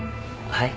はい？